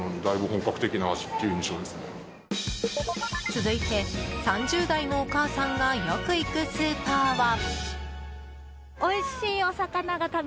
続いて、３０代のお母さんがよく行くスーパーは。